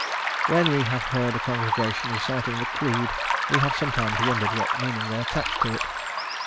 When we have heard a congregation reciting the Creed, we have sometimes wondered what meaning they attached to it.